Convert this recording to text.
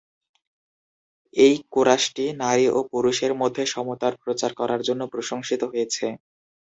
এই কোরাসটি নারী ও পুরুষের মধ্যে সমতার প্রচার করার জন্য প্রশংসিত হয়েছে।